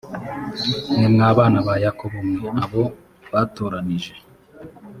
mwe mwa bana ba yakobo mwe abo yatoranije